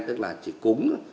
tức là chỉ cúng